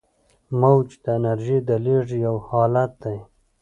موج د انرژۍ د لیږد یو حالت دی.